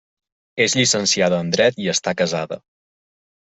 És llicenciada en Dret i està casada.